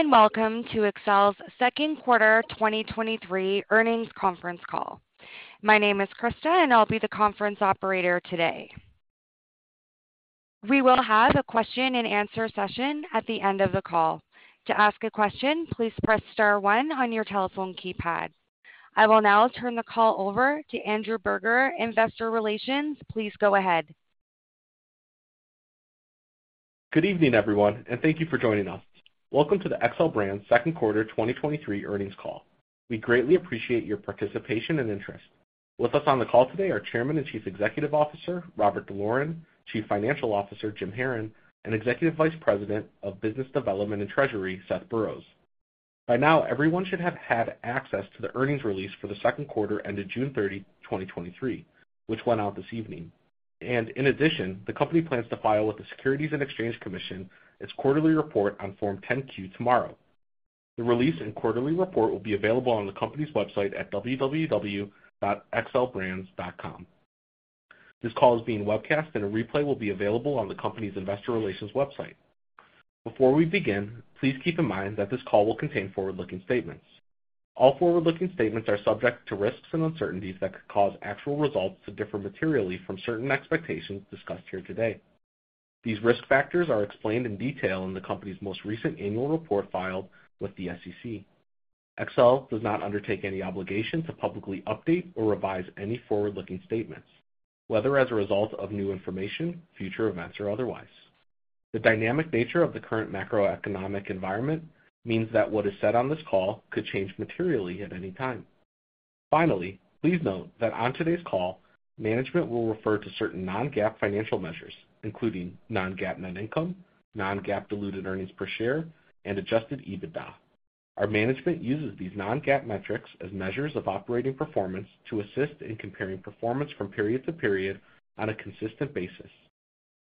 Hello, welcome to Xcel's second quarter 2023 earnings conference call. My name is Krista, and I'll be the conference operator today. We will have a question and answer session at the end of the call. To ask a question, "please press star one" on your telephone keypad. I will now turn the call over to Andrew Berger, Investor Relations. Please go ahead. Good evening, everyone, and thank you for joining us. Welcome to the Xcel Brands second quarter 2023 earnings call. We greatly appreciate your participation and interest. With us on the call today are Chairman and Chief Executive Officer, Robert D'Loren, Chief Financial Officer, Jim Haran, and Executive Vice President of Business Development and Treasury, Seth Burroughs. By now, everyone should have had access to the earnings release for the second quarter, ended June 30, 2023, which went out this evening. In addition, the company plans to file with the Securities and Exchange Commission, its quarterly report on Form 10-Q tomorrow. The release and quarterly report will be available on the company's website at www.xcelbrands.com. This call is being webcast, and a replay will be available on the company's investor relations website. Before we begin, please keep in mind that this call will contain forward-looking statements. All forward-looking statements are subject to risks and uncertainties that could cause actual results to differ materially from certain expectations discussed here today. These risk factors are explained in detail in the company's most recent annual report filed with the SEC. Xcel does not undertake any obligation to publicly update or revise any forward-looking statements, whether as a result of new information, future events, or otherwise. The dynamic nature of the current macroeconomic environment means that what is said on this call could change materially at any time. Finally, please note that on today's call, management will refer to certain non-GAAP financial measures, including non-GAAP net income, non-GAAP diluted earnings per share, and Adjusted EBITDA. Our management uses these non-GAAP metrics as measures of operating performance to assist in comparing performance from period to period on a consistent basis,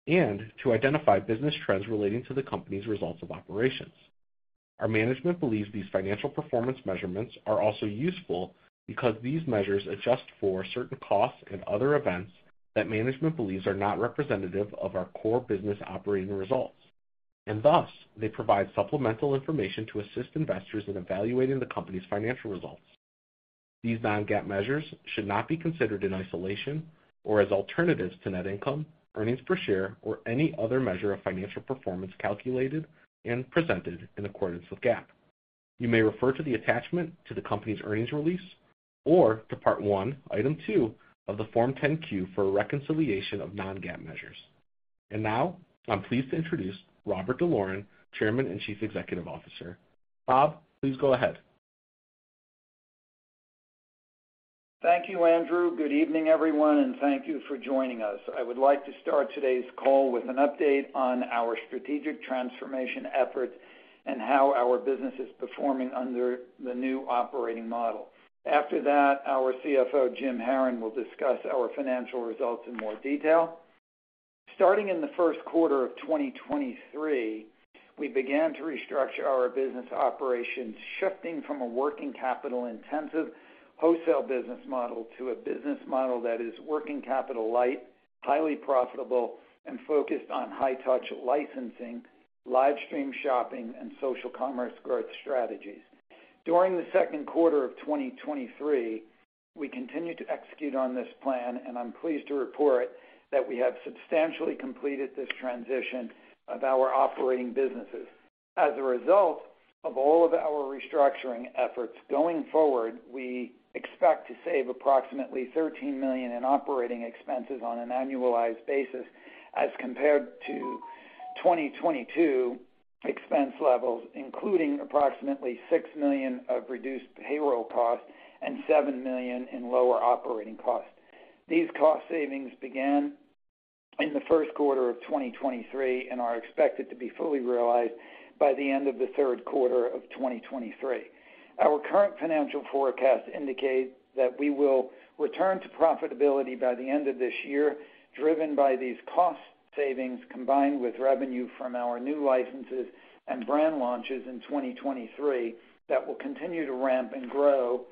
and to identify business trends relating to the company's results of operations. Our management believes these financial performance measurements are also useful because these measures adjust for certain costs and other events that management believes are not representative of our core business operating results. Thus, they provide supplemental information to assist investors in evaluating the company's financial results. These non-GAAP measures should not be considered in isolation or as alternatives to net income, earnings per share, or any other measure of financial performance calculated and presented in accordance with GAAP. You may refer to the attachment to the company's earnings release or to Part One, Item Two of the Form 10-Q for a reconciliation of non-GAAP measures. Now, I'm pleased to introduce Robert D'Loren, Chairman and Chief Executive Officer. Bob, please go ahead. Thank you, Andrew. Good evening, everyone, and thank you for joining us. I would like to start today's call with an update on our strategic transformation efforts and how our business is performing under the new operating model. After that, our CFO, Jim Haran, will discuss our financial results in more detail. Starting in the first quarter of 2023, we began to restructure our business operations, shifting from a working capital-intensive wholesale business model to a business model that is working capital-light, highly profitable, and focused on high-touch licensing, livestream shopping, and social commerce growth strategies. During the second quarter of 2023, we continued to execute on this plan, and I'm pleased to report that we have substantially completed this transition of our operating businesses. As a result of all of our restructuring efforts, going forward, we expect to save approximately $13 million in operating expenses on an annualized basis as compared to 2022 expense levels, including approximately $6 million of reduced payroll costs and $7 million in lower operating costs. These cost savings began in the first quarter of 2023 and are expected to be fully realized by the end of the third quarter of 2023. Our current financial forecast indicates that we will return to profitability by the end of this year, driven by these cost savings, combined with revenue from our new licenses and brand launches in 2023, that will continue to ramp and grow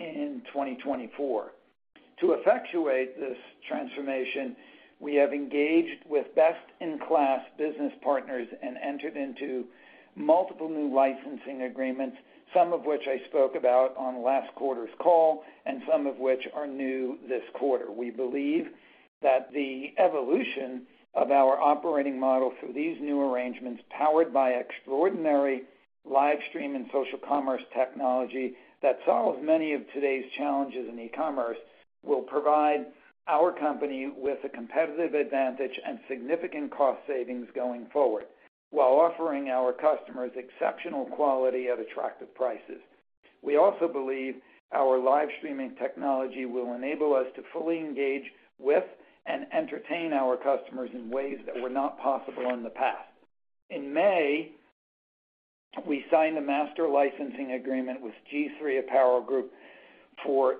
in 2024. To effectuate this transformation, we have engaged with best-in-class business partners and entered into multiple new licensing agreements, some of which I spoke about on last quarter's call and some of which are new this quarter. We believe that the evolution of our operating model through these new arrangements, powered by extraordinary livestream and social commerce technology that solves many of today's challenges in e-commerce, will provide our company with a competitive advantage and significant cost savings going forward, while offering our customers exceptional quality at attractive prices. We also believe our livestreaming technology will enable us to fully engage with and entertain our customers in ways that were not possible in the past. In May, we signed a master licensing agreement with G-III Apparel Group for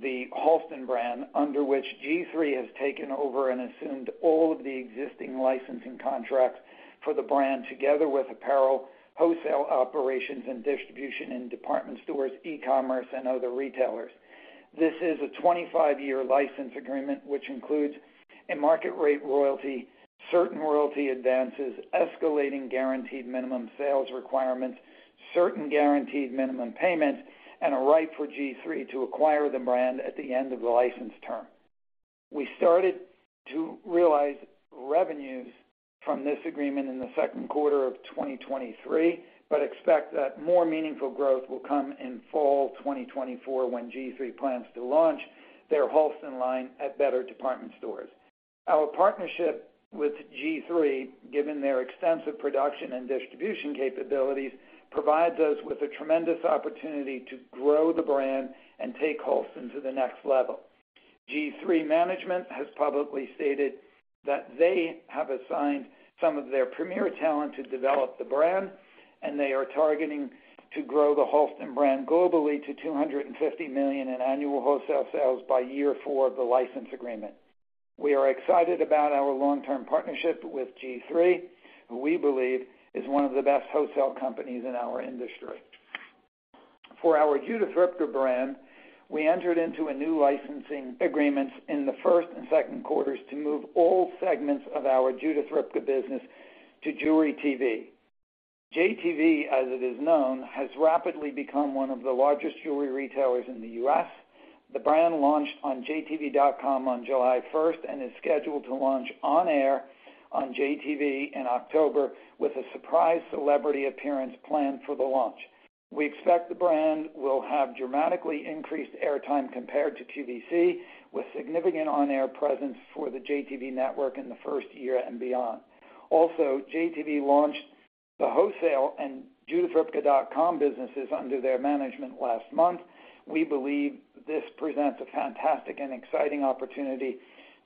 the Halston brand, under which G-III has taken over and assumed all of the existing licensing contracts for the brand, together with apparel, wholesale operations, and distribution in department stores, e-commerce, and other retailers. This is a 25-year license agreement, which includes a market rate royalty, certain royalty advances, escalating guaranteed minimum sales requirements, certain guaranteed minimum payments, and a right for G-III to acquire the brand at the end of the license term. We started to realize revenues from this agreement in the second quarter of 2023, but expect that more meaningful growth will come in fall 2024, when G-III plans to launch their Halston line at better department stores. Our partnership with G-III, given their extensive production and distribution capabilities, provides us with a tremendous opportunity to grow the brand and take Halston to the next level. G-III management has publicly stated that they have assigned some of their premier talent to develop the brand, and they are targeting to grow the Halston brand globally to $250 million in annual wholesale sales by year four of the license agreement. We are excited about our long-term partnership with G-III, who we believe is one of the best wholesale companies in our industry. For our Judith Ripka brand, we entered into a new licensing agreement in the first and second quarters to move all segments of our Judith Ripka business to JTV. JTV, as it is known, has rapidly become one of the largest jewelry retailers in the U.S. The brand launched on JTV.com on July first, and is scheduled to launch on air on JTV in October, with a surprise celebrity appearance planned for the launch. We expect the brand will have dramatically increased airtime compared to QVC, with significant on-air presence for the JTV network in the first year and beyond. Also, JTV launched the wholesale and judithripka.com businesses under their management last month. We believe this presents a fantastic and exciting opportunity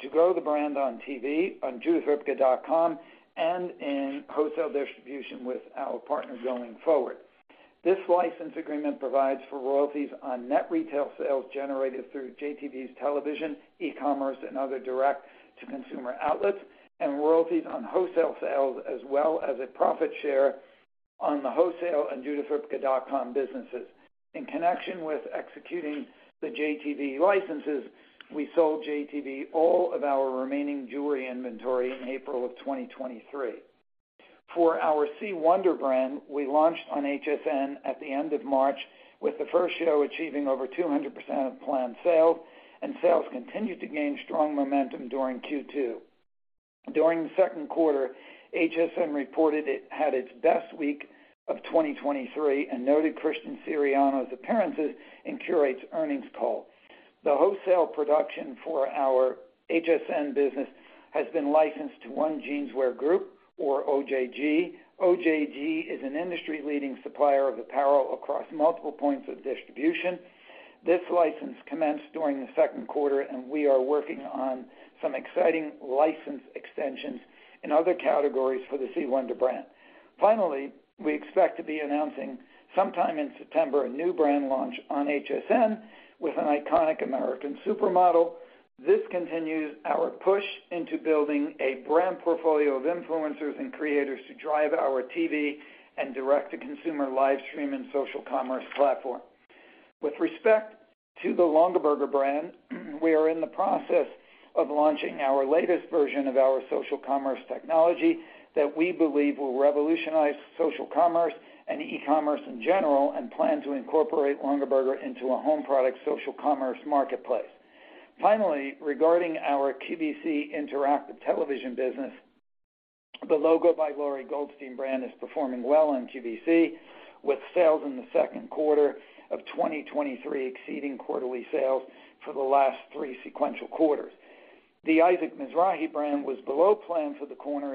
to grow the brand on TV, on judithripka.com, and in wholesale distribution with our partner going forward. This license agreement provides for royalties on net retail sales generated through JTV's television, e-commerce, and other direct-to-consumer outlets, and royalties on wholesale sales, as well as a profit share on the wholesale and judithripka.com businesses. In connection with executing the JTV licenses, we sold JTV all of our remaining jewelry inventory in April of 2023. For our C. Wonder brand, we launched on HSN at the end of March, with the first show achieving over 200% of planned sales. Sales continued to gain strong momentum during Q2. During the second quarter, HSN reported it had its best week of 2023 and noted Christian Siriano's appearances in Qurate's earnings call. The wholesale production for our HSN business has been licensed to One Jeanswear Group, or OJG. OJG is an industry-leading supplier of apparel across multiple points of distribution. This license commenced during the second quarter. We are working on some exciting license extensions in other categories for the C. Wonder brand. Finally, we expect to be announcing sometime in September, a new brand launch on HSN with an iconic American supermodel. This continues our push into building a brand portfolio of influencers and creators to drive our TV and direct-to-consumer livestream and social commerce platform. With respect to the Longaberger brand, we are in the process of launching our latest version of our social commerce technology that we believe will revolutionize social commerce and e-commerce in general, and plan to incorporate Longaberger into a home product social commerce marketplace. Finally, regarding our QVC interactive television business, the LOGO by Lori Goldstein brand is performing well on QVC, with sales in the second quarter of 2023 exceeding quarterly sales for the last 3 sequential quarters. The Isaac Mizrahi brand was below plan for the quarter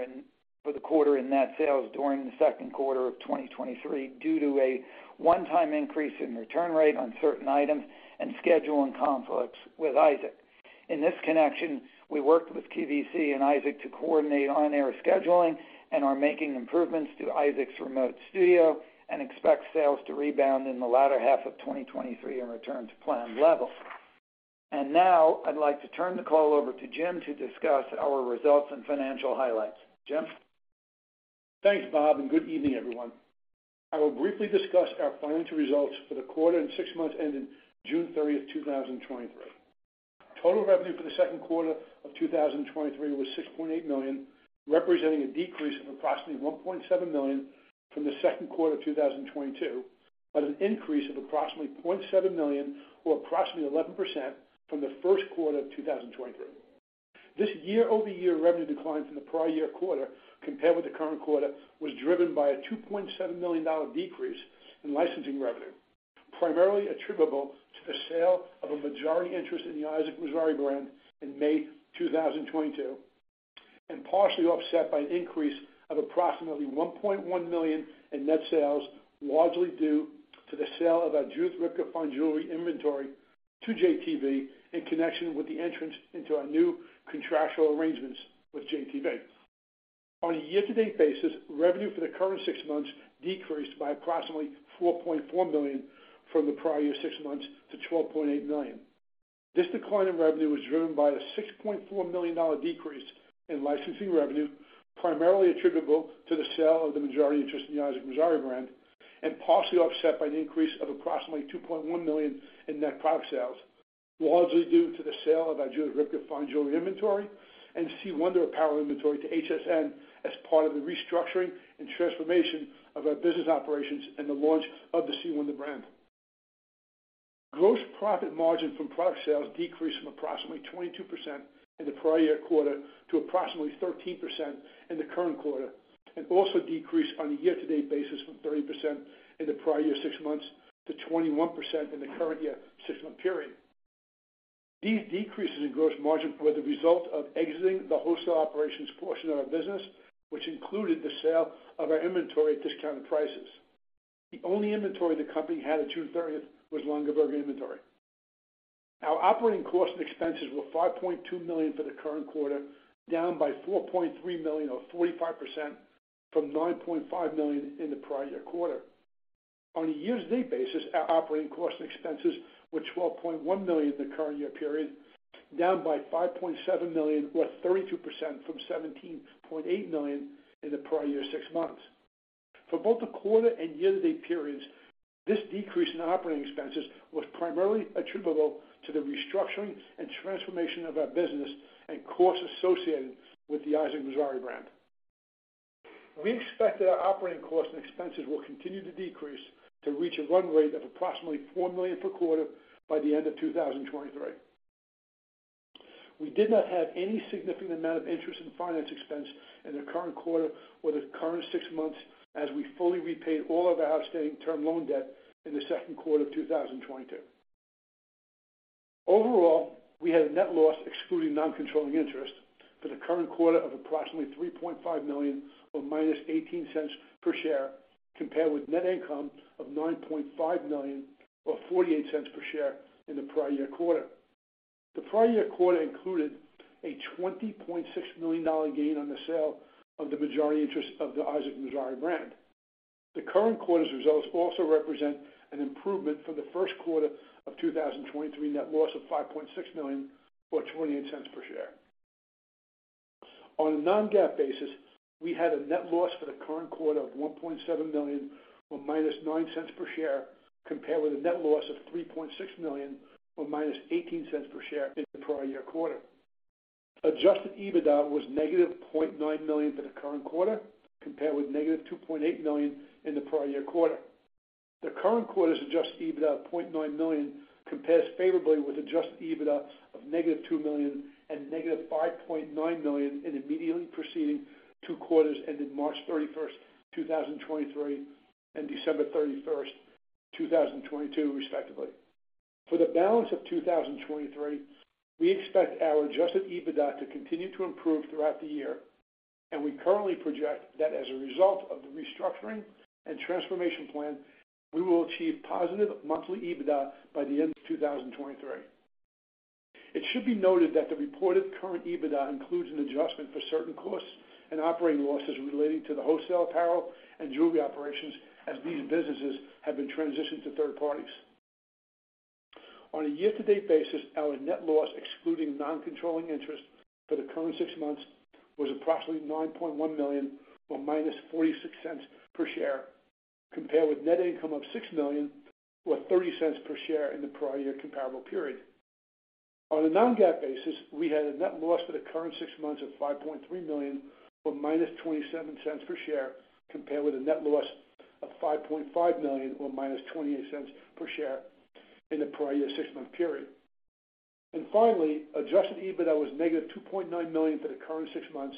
in net sales during the second quarter of 2023, due to a one-time increase in return rate on certain items and scheduling conflicts with Isaac. In this connection, we worked with QVC and Isaac to coordinate on-air scheduling and are making improvements to Isaac's remote studio, and expect sales to rebound in the latter half of 2023 and return to planned levels. Now I'd like to turn the call over to Jim to discuss our results and financial highlights. Jim? Thanks, Bob. Good evening, everyone. I will briefly discuss our financial results for the quarter and 6 months ending June 30, 2023. Total revenue for the second quarter of 2023 was $6.8 million, representing a decrease of approximately $1.7 million from the second quarter of 2022, but an increase of approximately $0.7 million or approximately 11% from the first quarter of 2023. This year-over-year revenue decline from the prior year quarter compared with the current quarter, was driven by a $2.7 million decrease in licensing revenue, primarily attributable to the sale of a majority interest in the Isaac Mizrahi brand in May 2022, and partially offset by an increase of approximately $1.1 million in net sales, largely due to the sale of our Judith Ripka fine jewelry inventory to JTV in connection with the entrance into our new contractual arrangements with JTV. On a year-to-date basis, revenue for the current six months decreased by approximately $4.4 million from the prior year six months to $12.8 million. This decline in revenue was driven by a $6.4 million decrease in licensing revenue, primarily attributable to the sale of the majority interest in the Isaac Mizrahi brand. Partially offset by an increase of approximately $2.1 million in net product sales, largely due to the sale of our Judith Ripka fine jewelry inventory and C. Wonder apparel inventory to HSN as part of the restructuring and transformation of our business operations and the launch of the C. Wonder brand. Gross profit margin from product sales decreased from approximately 22% in the prior year quarter to approximately 13% in the current quarter. Also decreased on a year-to-date basis from 30% in the prior year six months to 21% in the current year six-month period. These decreases in gross margin were the result of exiting the wholesale operations portion of our business, which included the sale of our inventory at discounted prices. The only inventory the company had at June 30th was Longaberger inventory. Our operating costs and expenses were $5.2 million for the current quarter, down by $4.3 million, or 45%, from $9.5 million in the prior year quarter. On a year-to-date basis, our operating costs and expenses were $12.1 million in the current year period, down by $5.7 million, or 32%, from $17.8 million in the prior year six months. For both the quarter and year-to-date periods, this decrease in operating expenses was primarily attributable to the restructuring and transformation of our business and costs associated with the Isaac Mizrahi brand. We expect that our operating costs and expenses will continue to decrease to reach a run rate of approximately $4 million per quarter by the end of 2023. We did not have any significant amount of interest in finance expense in the current quarter or the current six months as we fully repaid all of our outstanding term loan debt in the second quarter of 2022. Overall, we had a net loss, excluding non-controlling interest, for the current quarter of approximately $3.5 million, or -$0.18 per share, compared with net income of $9.5 million, or $0.48 per share in the prior year quarter. The prior year quarter included a $20.6 million gain on the sale of the majority interest of the Isaac Mizrahi brand. The current quarter's results also represent an improvement for the first quarter of 2023 net loss of $5.6 million, or $0.28 per share. On a non-GAAP basis, we had a net loss for the current quarter of $1.7 million, or -$0.09 per share, compared with a net loss of $3.6 million or -$0.18 per share in the prior year quarter. Adjusted EBITDA was -$0.9 million for the current quarter, compared with -$2.8 million in the prior year quarter. The current quarter's Adjusted EBITDA of $0.9 million compares favorably with Adjusted EBITDA of -$2 million and -$5.9 million in the immediately preceding two quarters ended March 31st, 2023, and December 31st, 2022, respectively. For the balance of 2023, we expect our Adjusted EBITDA to continue to improve throughout the year, and we currently project that as a result of the restructuring and transformation plan, we will achieve positive monthly EBITDA by the end of 2023. It should be noted that the reported current EBITDA includes an adjustment for certain costs and operating losses relating to the wholesale apparel and jewelry operations, as these businesses have been transitioned to third parties. On a year-to-date basis, our net loss, excluding non-controlling interest for the current six months, was approximately $9.1 million, or -$0.46 per share, compared with net income of $6 million or $0.30 per share in the prior year comparable period. On a non-GAAP basis, we had a net loss for the current six months of $5.3 million, or -$0.27 per share, compared with a net loss of $5.5 million, or -$0.28 per share in the prior year six-month period. Finally, Adjusted EBITDA was -$2.9 million for the current six months,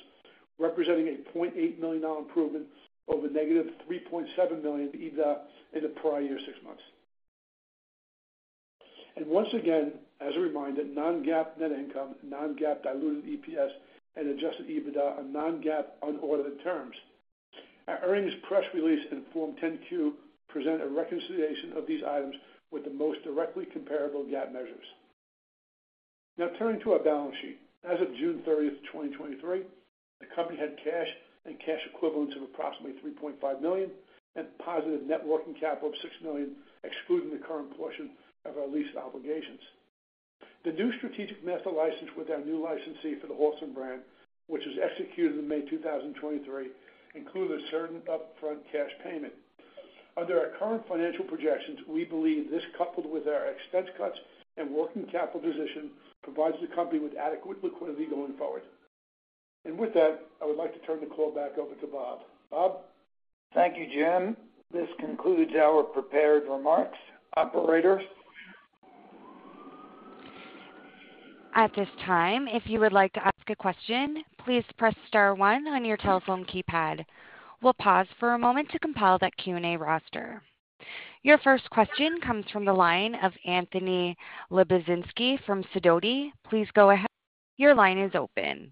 representing a $0.8 million improvement over -$3.7 million Adjusted EBITDA in the prior year six months. Once again, as a reminder, Non-GAAP net income, Non-GAAP diluted EPS, and Adjusted EBITDA are non-GAAP unaudited terms. Our earnings press release and Form 10-Q present a reconciliation of these items with the most directly comparable GAAP measures. Now, turning to our balance sheet. As of June 30, 2023, the company had cash and cash equivalents of approximately $3.5 million and positive net working capital of $6 million, excluding the current portion of our lease obligations. The new strategic master license with our new licensee for the Halston brand, which was executed in May 2023, included a certain upfront cash payment. Under our current financial projections, we believe this, coupled with our expense cuts and working capital position, provides the company with adequate liquidity going forward. With that, I would like to turn the call back over to Bob. Bob? Thank you, Jim. This concludes our prepared remarks. Operator? At this time, if you would like to ask a question, "please press star one" on your telephone keypad. We'll pause for a moment to compile that Q&A roster. Your first question comes from the line of Anthony Lebiedzinski from Sidoti. Please go ahead. Your line is open.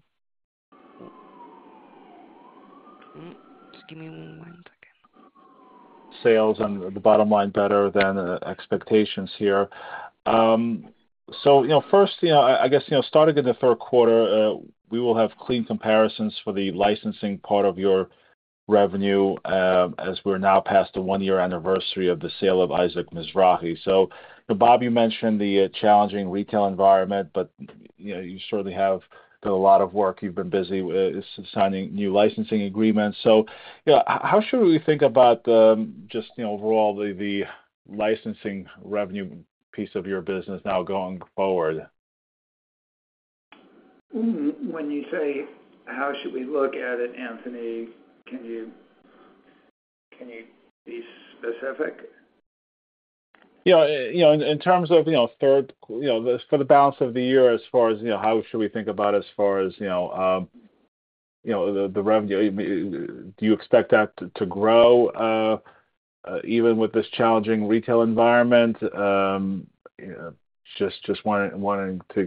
Just give me one second. Sales and the bottom line better than expectations here. First, you know, I, I guess, you know, starting in the third quarter, we will have clean comparisons for the licensing part of your revenue, as we're now past the one-year anniversary of the sale of Isaac Mizrahi. Bob, you mentioned the challenging retail environment, but, you know, you certainly have done a lot of work. You've been busy with signing new licensing agreements. You know, h-how should we think about the just, you know, overall, the licensing revenue piece of your business now going forward? When you say, how should we look at it, Anthony, can you, can you be specific? Yeah, you know, in terms of, you know, third, you know, for the balance of the year as far as, you know, how should we think about as far as, you know, you know, the, the revenue? Do you expect that to, to grow, even with this challenging retail environment? Just, just wanted to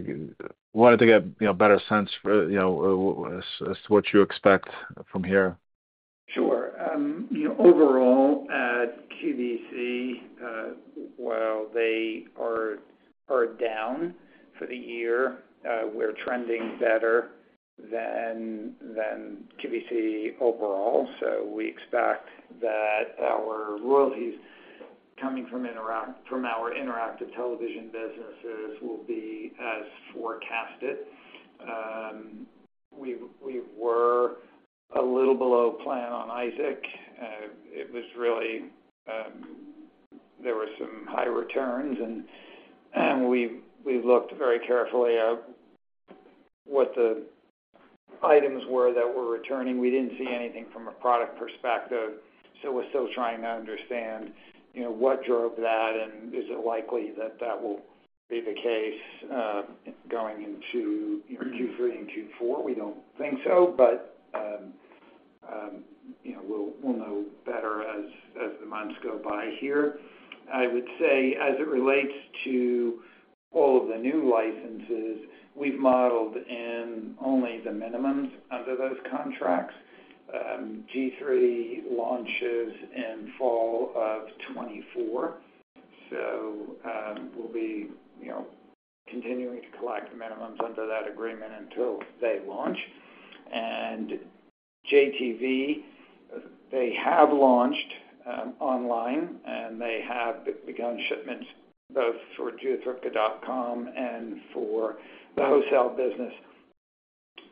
get, you know, a better sense for, you know, as to what you expect from here. Sure. You know, overall, at QVC, while they are, are down for the year, we're trending better than, than QVC overall. We expect that our royalties coming from interact- from our interactive television businesses will be as forecasted. We, we were a little below plan on Isaac. It was really, there were some high returns, and, and we, we looked very carefully at what the items were that were returning. We didn't see anything from a product perspective, so we're still trying to understand, you know, what drove that, and is it likely that that will be the case, going into Q3 and Q4. We don't think so, but, you know, we'll, we'll know better as, as the months go by here. I would say, as it relates to all of the new licenses, we've modeled in only the minimums under those contracts. G-III launches in fall of 2024, so, we'll be, you know, continuing to collect minimums under that agreement until they launch. JTV, they have launched online, and they have begun shipments both for judithripka.com and for the wholesale business.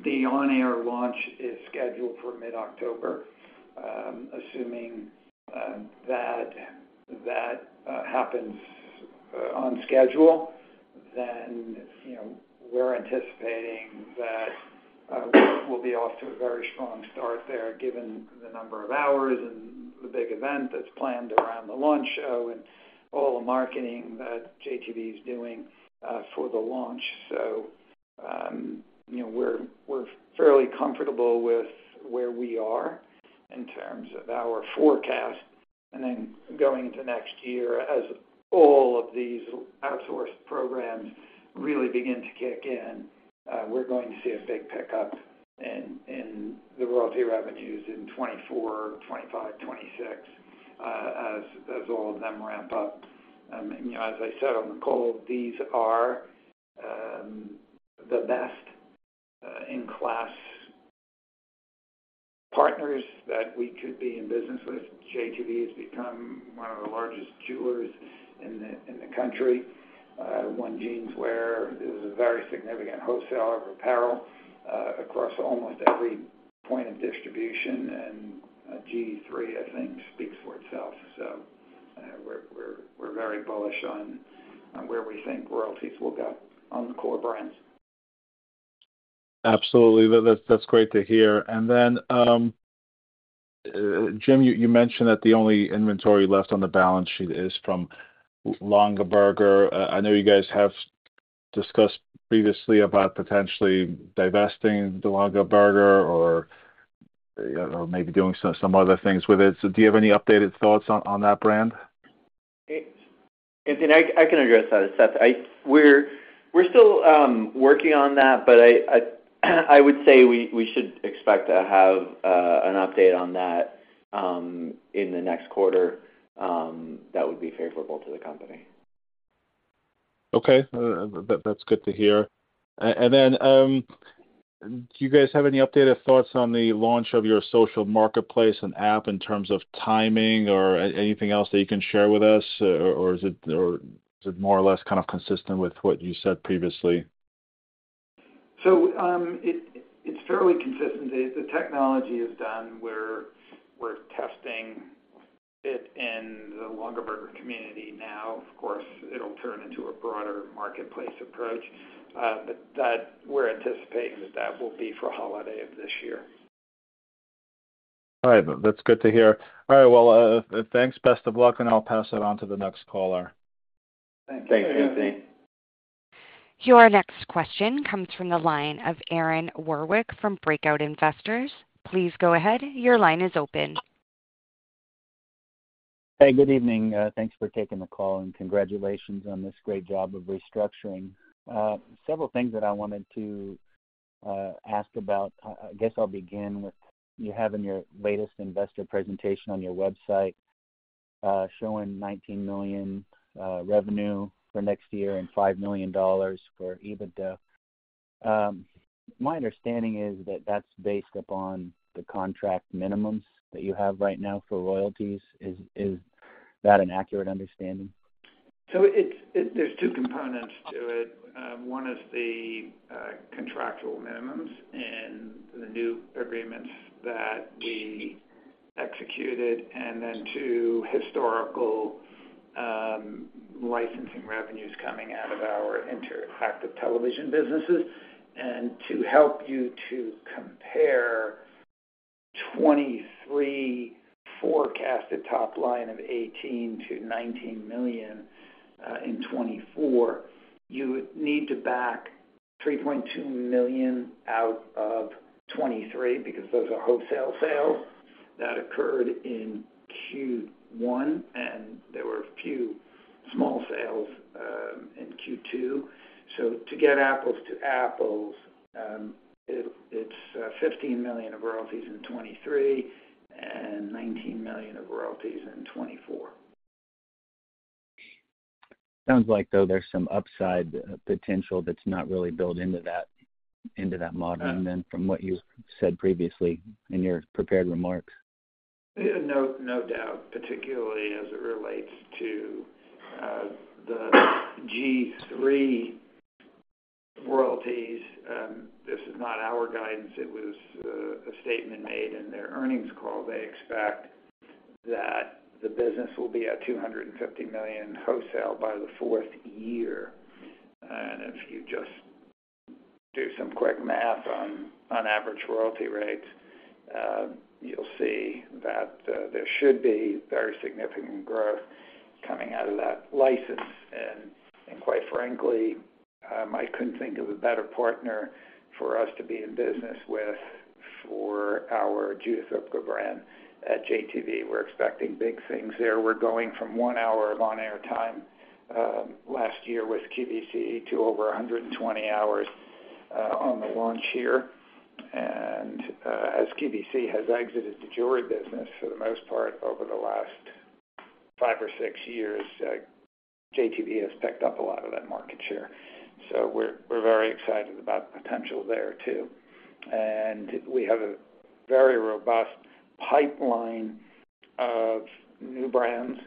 The on-air launch is scheduled for mid-October. Assuming that, that happens on schedule, then, you know, we're anticipating that we'll be off to a very strong start there, given the number of hours and the big event that's planned around the launch show and all the marketing that JTV is doing for the launch. You know, we're, we're fairly comfortable with where we are in terms of our forecast. Going into next year, as all of these outsourced programs really begin to kick in, we're going to see a big pickup in, in the royalty revenues in 2024, 2025, 2026, as all of them ramp up. You know, as I said on the call, these are the best-in-class partners that we could be in business with. JTV has become one of the largest jewelers in the, in the country. One Jeanswear is a very significant wholesaler of apparel across almost every point of distribution, and G-III, I think, speaks for itself. We're, we're, we're very bullish on, on where we think royalties will go on the core brands. Absolutely. That's, that's great to hear. Then, Jim, you mentioned that the only inventory left on the balance sheet is from Longaberger. I know you guys have discussed previously about potentially divesting the Longaberger or, you know, maybe doing some, some other things with it. Do you have any updated thoughtss on, on that brand? Anthony, I, I can address that. It's that I, we're, we're still, working on that, but I, I, I would say we, we should expect to have, an update on that, in the next quarter, that would be favorable to the company. Okay. That's good to hear. Do you guys have any updated thoughts on the launch of your social marketplace and app in terms of timing or anything else that you can share with us? Or is it more or less kind of consistent with what you said previously? It, it's fairly consistent. The, the technology is done. We're, we're testing it in the Longaberger community now. Of course, it'll turn into a broader marketplace approach, but that we're anticipating that that will be for holiday of this year. All right. That's good to hear. All right. Well, thanks. Best of luck, I'll pass it on to the next caller. Thanks, Anthony. Your next question comes from the line of Aaron Warwick from Breakout Investors. Please go ahead. Your line is open. Hey, good evening. Thanks for taking the call, and congratulations on this great job of restructuring. Several things that I wanted to ask about. I, I guess I'll begin with you having your latest investor presentation on your website, showing $19 million revenue for next year and $5 million for EBITDA. My understanding is that that's based upon the contract minimums that you have right now for royalties. Is, is that an accurate understanding? There's two components to it. One is the contractual minimums and the new agreements that we executed, and then to historical licensing revenues coming out of our interactive television businesses. To help you to compare 2023 forecasted top line of $18 million-$19 million in 2024, you need to back $3.2 million out of 2023, because those are wholesale sales that occurred in Q1, and there were a few small sales in Q2. To get apples to apples, it's $15 million of royalties in 2023, and $19 million of royalties in 2024. Sounds like though there's some upside potential that's not really built into that, into that model than from what you said previously in your prepared remarks. No, no doubt, particularly as it relates to the G-III royalties. This is not our guidance, it was a statement made in their earnings call. They expect that the business will be at $250 million wholesale by the fourth year. If you just do some quick math on, on average royalty rates, you'll see that there should be very significant growth coming out of that license. Quite frankly, I couldn't think of a better partner for us to be in business with for our Judith Ripka brand at JTV. We're expecting big things there. We're going from 1 hour of on-air time last year with QVC to over 120 hours on the launch year. As QVC has exited the jewelry business for the most part over the last five or six years, JTV has picked up a lot of that market share. We're, we're very excited about the potential there, too. We have a very robust pipeline of new brands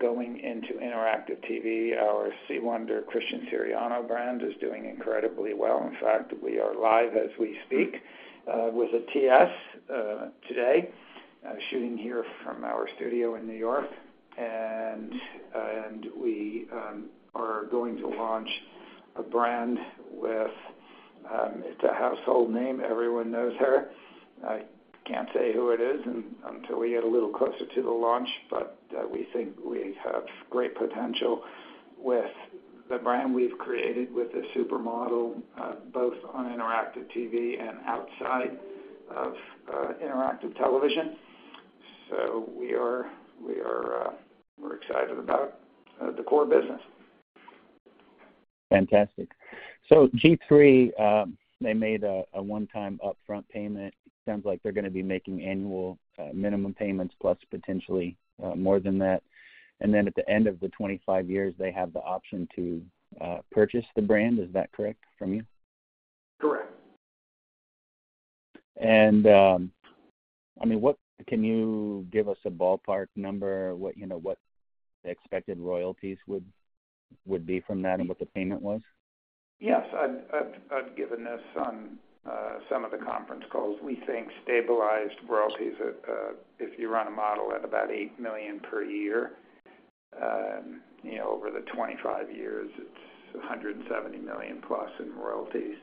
going into interactive TV. Our C. Wonder Christian Siriano brand is doing incredibly well. In fact, we are live as we speak, with a TS today, shooting here from our studio in New York. We are going to launch a brand with, it's a household name. Everyone knows her. I can't say who it is until we get a little closer to the launch, but we think we have great potential with the brand we've created with this supermodel, both on interactive TV and outside of interactive television. We are, we are, we're excited about the core business. Fantastic. G-III, they made a one-time upfront payment. It sounds like they're gonna be making annual minimum payments, plus potentially more than that, and then at the end of the 25 years, they have the option to purchase the brand. Is that correct from you? Correct. I mean, can you give us a ballpark number, what, you know, what the expected royalties would, would be from that and what the payment was? Yes. I've, I've, I've given this on some of the conference calls. We think stabilized royalties, if you run a model at about $8 million per year, you know, over the 25 years, it's $170 million plus in royalties,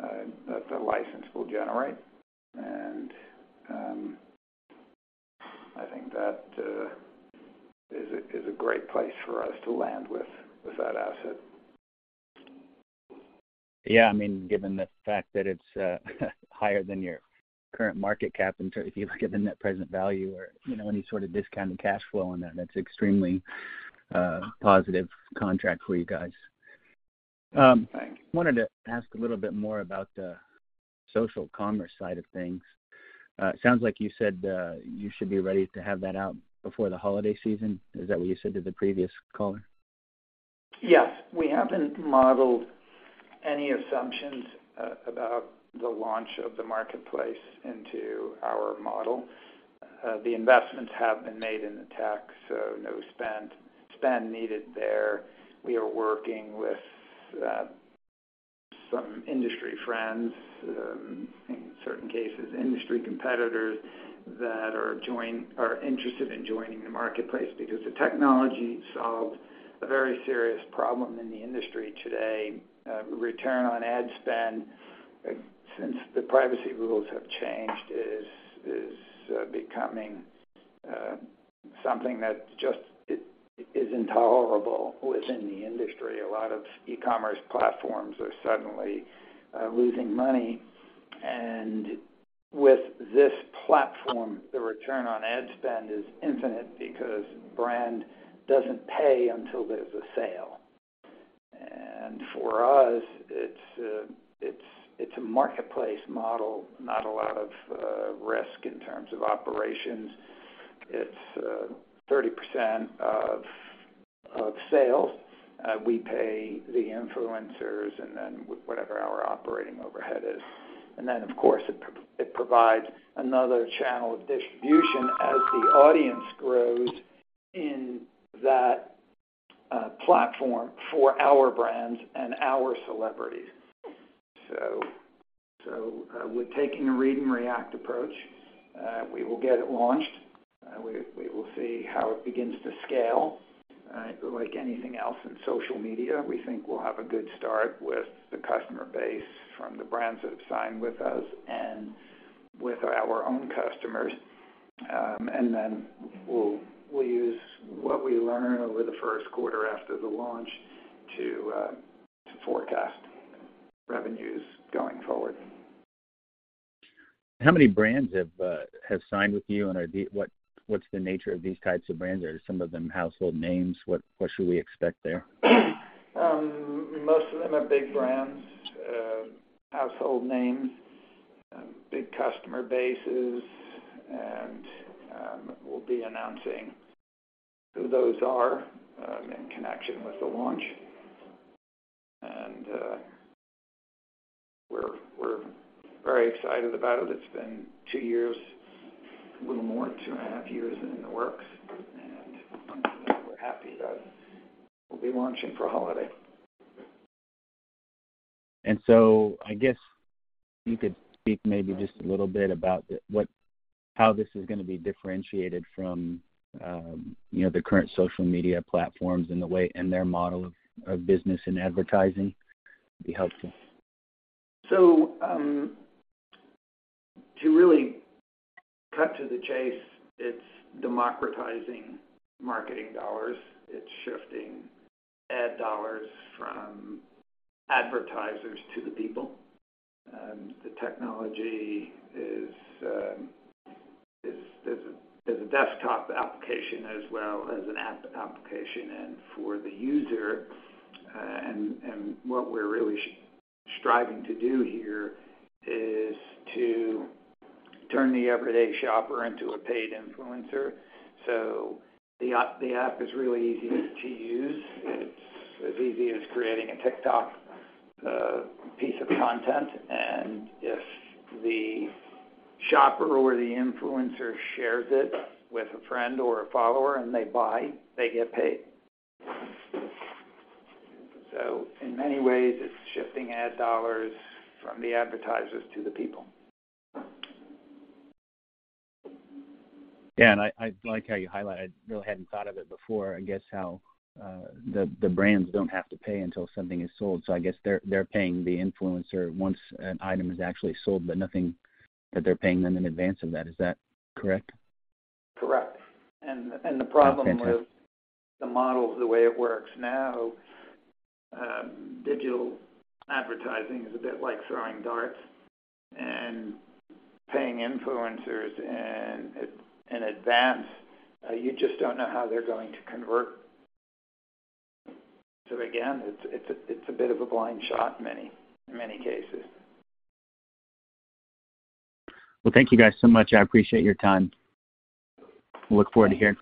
that the license will generate. I think that is a, is a great place for us to land with, with that asset. Yeah. I mean, given the fact that it's higher than your current market cap, so if you look at the Net present value or, you know, any sort of Discounted cash flow on that, that's extremely positive contract for you guys. Thanks. I wanted to ask a little bit more about the social commerce side of things. It sounds like you said, you should be ready to have that out before the holiday season. Is that what you said to the previous caller? Yes. We haven't modeled any assumptions about the launch of the marketplace into our model. The investments have been made in the tech, so no spend, spend needed there. We are working with some industry friends, in certain cases, industry competitors, that are interested in joining the marketplace, because the technology solved a very serious problem in the industry today. Return on ad spend, since the privacy rules have changed, is becoming something that just is intolerable within the industry. A lot of e-commerce platforms are suddenly losing money, and with this platform, the return on ad spend is infinite because brand doesn't pay until there's a sale. For us, it's, it's a marketplace model, not a lot of risk in terms of operations. It's 30% of sales. We pay the influencers and then whatever our operating overhead is. Of course, it provides another channel of distribution as the audience grows in that platform for our brands and our celebrities. We're taking a read and react approach. We will get it launched. We will see how it begins to scale. Like anything else in social media, we think we'll have a good start with the customer base from the brands that have signed with us and with our own customers. We'll, we'll use what we learn over the first quarter after the launch to forecast revenues going forward. How many brands have, have signed with you, and what, what's the nature of these types of brands? Are some of them household names? What, what should we expect there? Most of them are big brands, household names, big customer bases, and we'll be announcing who those are in connection with the launch. We're, we're very excited about it. It's been two years, a little more, 2.5 years in the works, and we're happy that we'll be launching for holiday. I guess you could speak maybe just a little bit about how this is gonna be differentiated from, you know, the current social media platforms and their model of, of business and advertising, would be helpful. To really cut to the chase, it's democratizing marketing dollars. It's shifting ad dollars from advertisers to the people. The technology is, there's a, there's a desktop application as well as an app application. For the user, and, and what we're really striving to do here is to turn the everyday shopper into a paid influencer. The app, the app is really easy to use. It's as easy as creating a TikTok piece of content, and if the shopper or the influencer shares it with a friend or a follower and they buy, they get paid. In many ways, it's shifting ad dollars from the advertisers to the people. Yeah, I, I like how you highlight it. I really hadn't thought of it before, I guess, how the brands don't have to pay until something is sold. I guess they're, they're paying the influencer once an item is actually sold, but nothing that they're paying them in advance of that. Is that correct? Correct. Okay. The problem with the model, the way it works now, digital advertising is a bit like throwing darts and paying influencers in, in advance. You just don't know how they're going to convert. Again, it's, it's a, it's a bit of a blind shot in many, in many cases. Well, thank you guys so much. I appreciate your time. We look forward to hearing.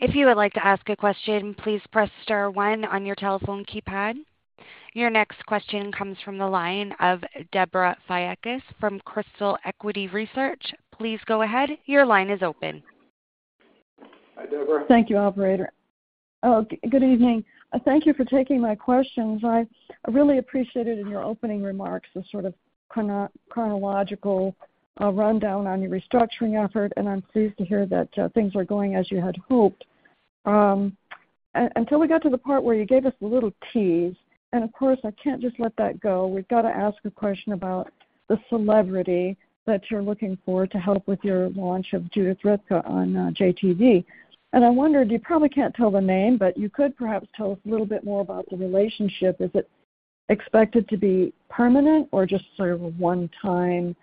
If you would like to ask a question, "please press star one" on your telephone keypad. Your next question comes from the line of Debra Fiakas from Crystal Equity Research. Please go ahead. Your line is open. Thank you, operator. Oh, good evening. Thank you for taking my questions. I really appreciated in your opening remarks, the sort of chrona- chronological rundown on your restructuring effort, and I'm pleased to hear that things are going as you had hoped. Un- until we got to the part where you gave us a little tease, and of course, I can't just let that go. We've got to ask a question about the celebrity that you're looking for to help with your launch of Judith Ripka on JTV. And I wondered, you probably can't tell the name, but you could perhaps tell us a little bit more about the relationship. Is it expected to be permanent or just sort of a one-time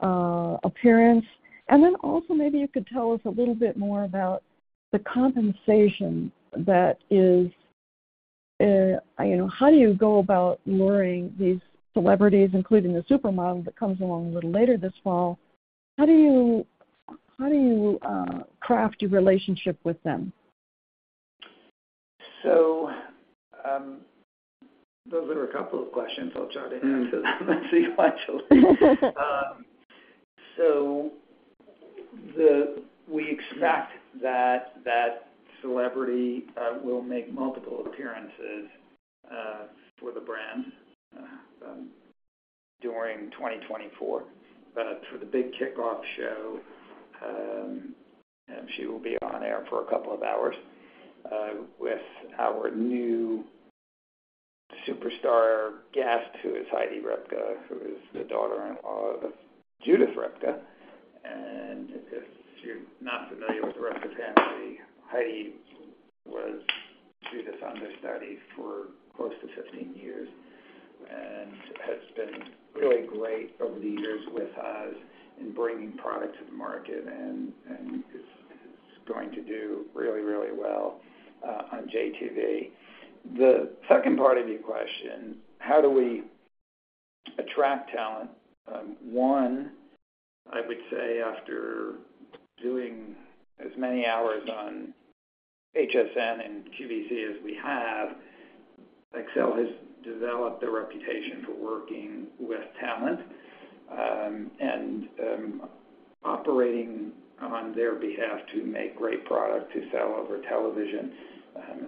appearance? Also, maybe you could tell us a little bit more about the compensation that is, you know, how do you go about luring these celebrities, including the supermodel, that comes along a little later this fall? How do you, how do you craft your relationship with them? Those are a couple of questions. I'll try to answer them sequentially. We expect that that celebrity will make multiple appearances for the brand during 2024. For the big kickoff show, she will be on air for a couple of hours with our new superstar guest, who is Heidi Ripka, who is the daughter-in-law of Judith Ripka. If you're not familiar with the Ripka family, Heidi was Judith's understudy for close to 15 years and has been really great over the years with us in bringing product to the market, and, and is, is going to do really, really well on JTV. The second part of your question: How do we attract talent? One, I would say after doing as many hours on HSN and QVC as we have-... Xcel has developed a reputation for working with talent and operating on their behalf to make great product to sell over television.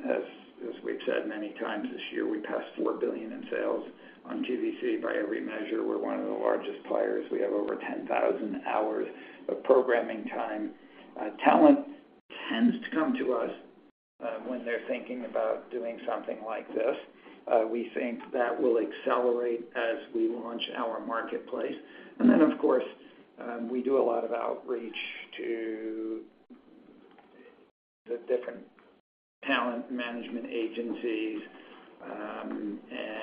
As, as we've said many times this year, we passed $4 billion in sales on QVC. By every measure, we're one of the largest players. We have over 10,000 hours of programming time. Talent tends to come to us when they're thinking about doing something like this. We think that will accelerate as we launch our marketplace. Then, of course, we do a lot of outreach to the different talent management agencies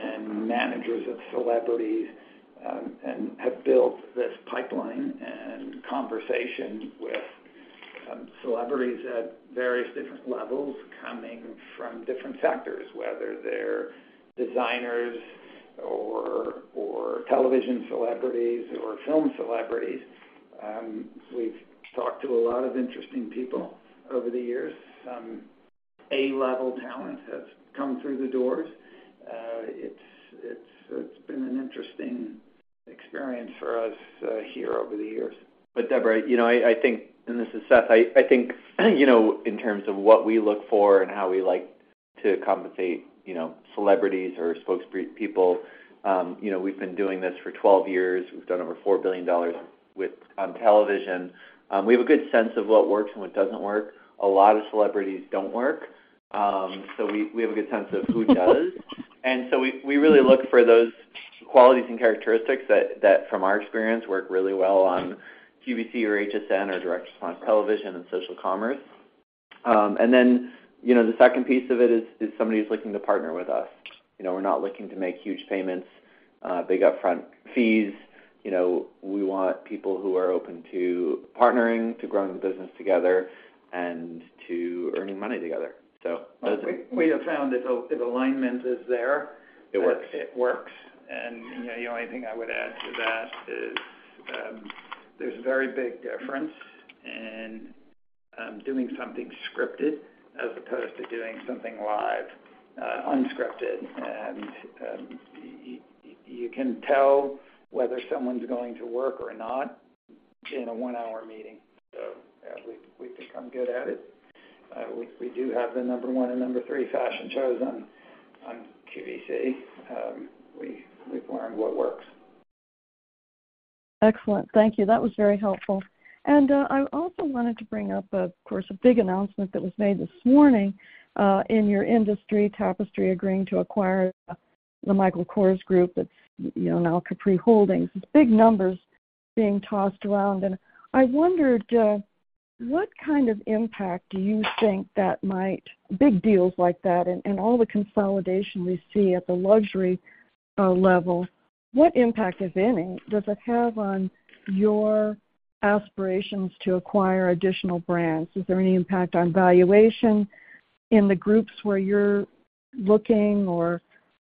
and managers of celebrities and have built this pipeline and conversation with celebrities at various different levels, coming from different sectors, whether they're designers or, or television celebrities or film celebrities. We've talked to a lot of interesting people over the years. Some A-level talent has come through the doors. It's, it's, it's been an interesting experience for us, here over the years. Debra, you know, I, I think, and this is Seth, I, I think, you know, in terms of what we look for and how we like to compensate, you know, celebrities or spokespeople, you know, we've been doing this for 12 years. We've done over $4 billion on television. We have a good sense of what works and what doesn't work. A lot of celebrities don't work, so we, we have a good sense of who does. We really look for those qualities and characteristics that, that, from our experience, work really well on QVC or HSN or direct response television and social commerce. Then, you know, the second piece of it is, is somebody who's looking to partner with us. You know, we're not looking to make huge payments, big upfront fees. You know, we want people who are open to partnering, to growing the business together, and to earning money together. We have found if alignment is there. It works. it works. You know, the only thing I would add to that is, there's a very big difference in, doing something scripted as opposed to doing something live, unscripted. You can tell whether someone's going to work or not in a one-hour meeting. Yeah, we, we've become good at it. We, we do have the number one and number three fashion shows on, on QVC. We, we've learned what works. Excellent. Thank you. That was very helpful. I also wanted to bring up, of course, a big announcement that was made this morning in your industry, Tapestry agreeing to acquire the Michael Kors group. That's, you know, now Capri Holdings. It's big numbers being tossed around, and I wondered what kind of impact do you think that might big deals like that and, and all the consolidation we see at the luxury level, what impact, if any, does it have on your aspirations to acquire additional brands? Is there any impact on valuation in the groups where you're looking, or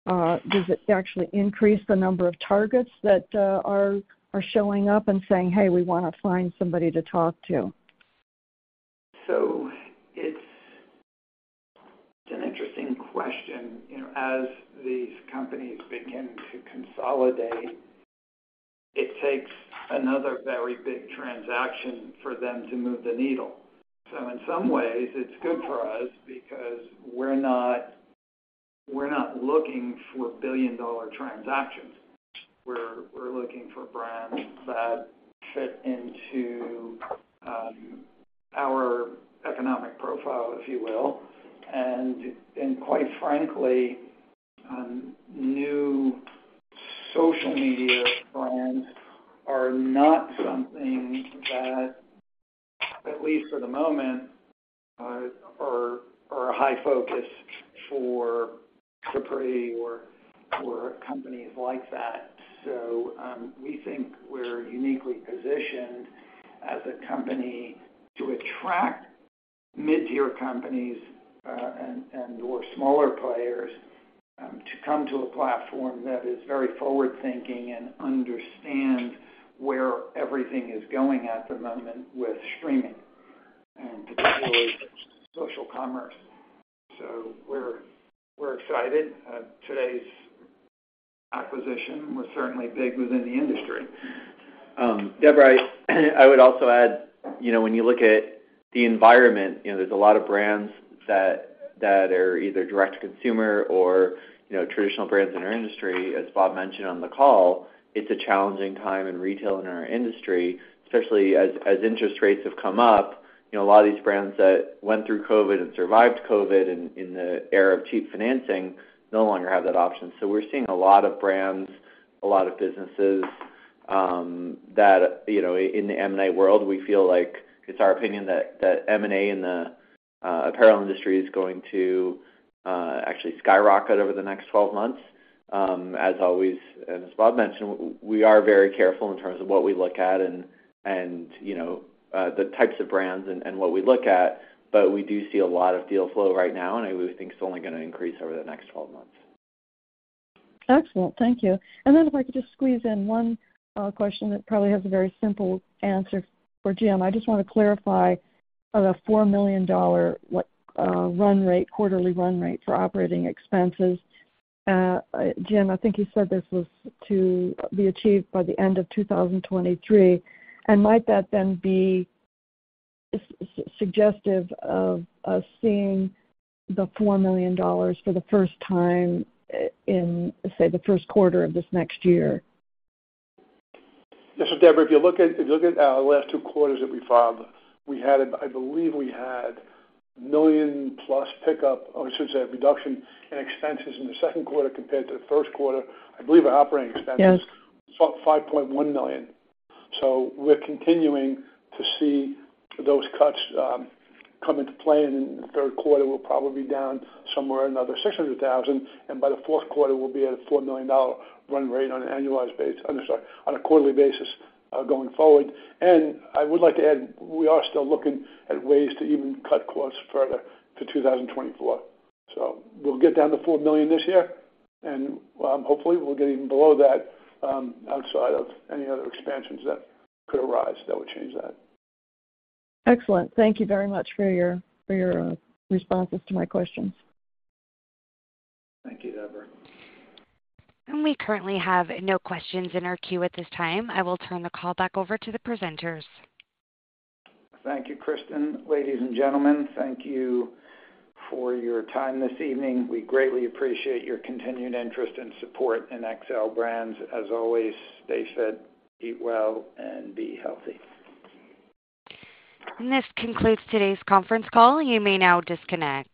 does it actually increase the number of targets that are, are showing up and saying, "Hey, we wanna find somebody to talk to? It's an interesting question. You know, as these companies begin to consolidate, it takes another very big transaction for them to move the needle. In some ways, it's good for us because we're not, we're not looking for $1 billion transactions. We're, we're looking for brands that fit into our economic profile, if you will. And quite frankly, new social media brands are not something that, at least for the moment, are a high focus for Capri or companies like that. We think we're uniquely positioned as a company to attract mid-tier companies and/or smaller players to come to a platform that is very forward-thinking and understand where everything is going at the moment with streaming and particularly social commerce. We're, we're excited. Today's acquisition was certainly big within the industry. Debra, I, I would also add, you know, when you look at the environment, you know, there's a lot of brands that, that are either Direct-to-consumer or, you know, traditional brands in our industry. As Bob mentioned on the call, it's a challenging time in retail in our industry, especially as, as interest rates have come up. You know, a lot of these brands that went through COVID and survived COVID in, in the era of cheap financing no longer have that option. We're seeing a lot of brands, a lot of businesses that, you know, in the M&A world, we feel like it's our opinion that M&A in the apparel industry is going to actually skyrocket over the next 12 months. As always, and as Bob mentioned, we are very careful in terms of what we look at and, and, you know, the types of brands and, and what we look at, but we do see a lot of deal flow right now, and we think it's only gonna increase over the next 12 months. Excellent. Thank you. If I could just squeeze in one question that probably has a very simple answer for Jim. I just want to clarify on a $4 million, what, run rate, quarterly run rate for operating expenses. Jim, I think you said this was to be achieved by the end of 2023, and might that then be suggestive of us seeing the $4 million for the first time in, say, the first quarter of this next year? Yes, Debra, if you look at, if you look at our last two quarters that we filed, we had, I believe we had million-plus pickup, or I should say, reduction in expenses in the second quarter compared to the first quarter. I believe our operating expenses- Yes. $5.1 million. We're continuing to see those cuts, come into play, and in the third quarter, we'll probably be down somewhere another $600,000, and by the fourth quarter, we'll be at a $4 million run rate on an annualized basis. I'm sorry, on a quarterly basis, going forward. I would like to add, we are still looking at ways to even cut costs further to 2024. We'll get down to $4 million this year, and hopefully, we'll get even below that, outside of any other expansions that could arise that would change that. Excellent. Thank you very much for your, for your, responses to my questions. Thank you, Debra. We currently have no questions in our queue at this time. I will turn the call back over to the presenters. Thank you, Krista. Ladies and gentlemen, thank you for your time this evening. We greatly appreciate your continued interest and support in Xcel Brands. As always, stay fed, eat well, and be healthy. This concludes today's conference call. You may now disconnect.